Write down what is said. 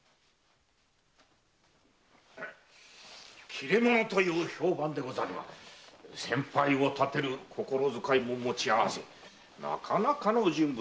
切れ者という評判でござるが先輩を立てる心遣いも持ち合わせなかなかの人物でございますな。